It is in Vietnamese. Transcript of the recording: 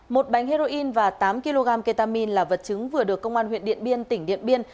một bánh heroin và tám kg ketamin là vật chứng vừa được công an huyện điện biên tỉnh điện biên